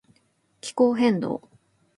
気候変動